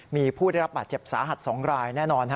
มีผู้ได้รับบาดเจ็บสาหัส๒รายแน่นอน